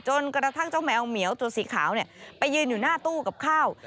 จนกระทั่งเจ้าแมวเหมียวตัวสีขาวไปยืนอยู่หน้าตู้กับข้าว